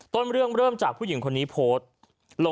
ต้นเรื่องเริ่มจากผู้หญิงคนนี้โพสต์